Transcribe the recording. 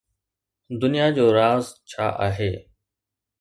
دنيا جو راز ڇا آهي؟